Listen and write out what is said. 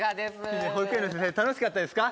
ヒメ保育園の先生楽しかったですか？